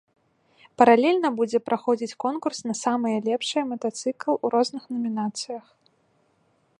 Паралельна будзе праходзіць конкурс на самыя лепшыя матацыкл у розных намінацыях.